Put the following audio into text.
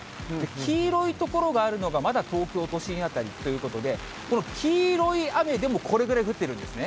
黄色い所があるのがまだ東京都心辺りということで、この黄色い雨でも、これぐらい降ってるんですね。